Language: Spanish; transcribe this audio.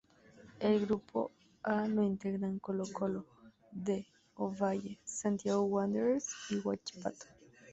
El grupo A lo integran Colo Colo, D. Ovalle, Santiago Wanderers y Huachipato.